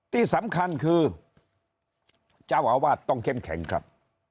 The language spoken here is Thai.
ที่สำคัญคือเจ้าอาวาสต้องเข้มแข็งครับ